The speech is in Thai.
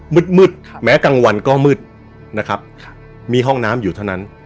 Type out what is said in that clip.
มืดมืดแม้กลางวันก็มืดนะครับมีห้องน้ำอยู่เท่านั้น